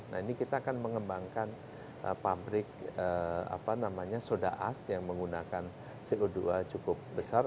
nah ini kita akan mengembangkan pabrik soda as yang menggunakan co dua cukup besar